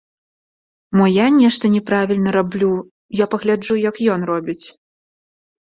Мо я нешта няправільна раблю, я пагляджу як ён робіць.